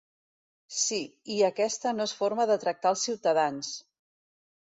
Sí, i aquesta no es forma de tractar als ciutadans!